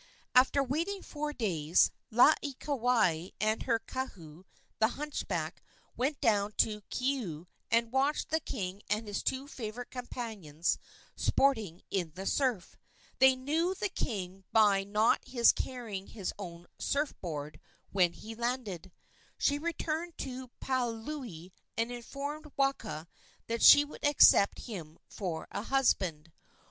After waiting four days Laieikawai and her kahu, the hunchback, went down to Keaau, and watched the king and his two favorite companions sporting in the surf. They knew the king by his not carrying his own surf board when he landed. She returned to Paliuli and informed Waka that she would accept him for a husband.